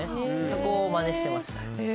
そこをまねしました。